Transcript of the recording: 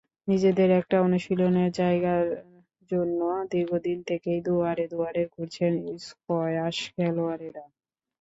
নিজেদের একটা অনুশীলনের জায়গার জন্য দীর্ঘদিন থেকেই দুয়ারে দুয়ারে ঘুরছেন স্কোয়াশ খেলোয়াড়েরা।